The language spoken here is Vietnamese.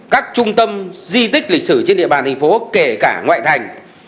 các trung tâm di tích lịch sử trên địa bàn thành phố kể cả ngoại thành